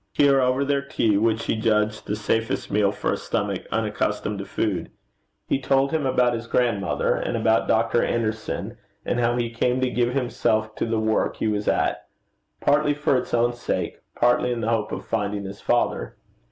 Here, over their tea, which he judged the safest meal for a stomach unaccustomed to food, he told him about his grandmother, and about Dr. Anderson, and how he came to give himself to the work he was at, partly for its own sake, partly in the hope of finding his father.